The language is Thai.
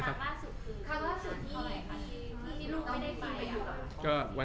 คำมาสุดที่ลูกไม่ได้ไปอยู่ก่อน